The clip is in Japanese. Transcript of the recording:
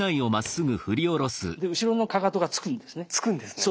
で後ろのかかとがつくんですね。